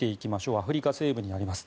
アフリカ西部にあります。